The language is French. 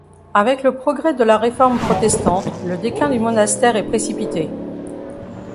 Avec le progrès de la Réforme protestante, le déclin du monastère est précipité.